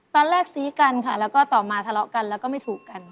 ซี้กันค่ะแล้วก็ต่อมาทะเลาะกันแล้วก็ไม่ถูกกัน